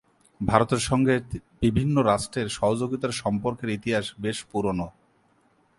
ভারতের সঙ্গে বিভিন্ন রাষ্ট্রের সহযোগিতার সম্পর্কের ইতিহাস বেশ পুরনো।